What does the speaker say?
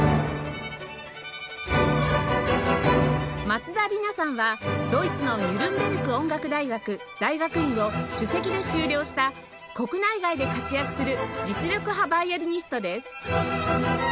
松田理奈さんはドイツのニュルンベルク音楽大学大学院を首席で修了した国内外で活躍する実力派ヴァイオリニストです